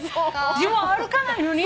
自分歩かないのに？